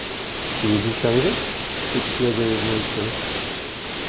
Il est donc arrivé? s’écria joyeusement le curé.